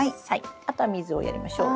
あとは水をやりましょう。